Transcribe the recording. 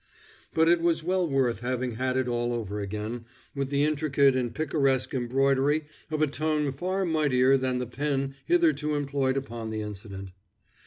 But it was well worth while having it all over again with the intricate and picaresque embroidery of a tongue far mightier than the pen hitherto employed upon the incident.